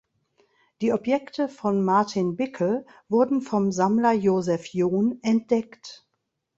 Die Objekte von Martin Bickel wurden vom Sammler Josef John entdeckt.